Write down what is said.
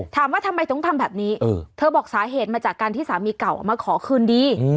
ถามว่าทำไมต้องทำแบบนี้เธอบอกสาเหตุมาจากการที่สามีเก่ามาขอคืนดี